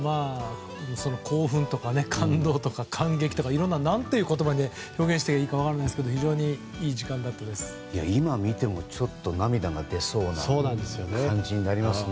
興奮とか感動とか感激とかいろいろななんていう言葉で表現していいかわかりませんが今見てもちょっと涙が出そうな感じになりますね。